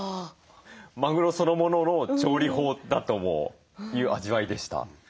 マグロそのものの調理法だという味わいでした。